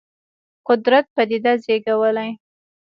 قدرت پدیده زېږولې.